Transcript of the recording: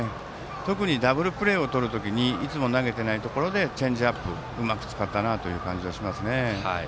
特にダブルプレーをとる時にいつも投げていないところでチェンジアップをうまく使った感じがします。